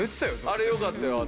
あれよかったよ。